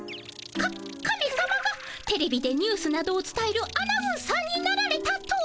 カカメさまがテレビでニュースなどをつたえるアナウンサーになられたと？